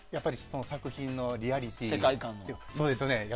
作品のリアリティーとか。